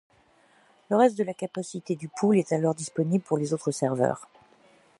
Le reste de la capacité du pool est alors disponible pour les autres serveurs.